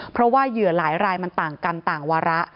เพราะว่าเหยื่อหลายรายมันต่างกรรมต่างวาระ